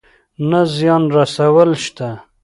نه زيان رسول شته.